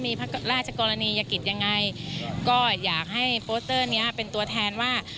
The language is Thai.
มีพระราชกรณียกิจยังไงก็อยากให้โปสเตอร์เนี้ยเป็นตัวแทนว่า